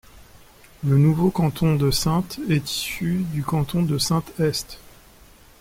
Le nouveau canton de Saintes est issu du canton de Saintes-Est.